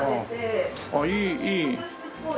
ああいいいい。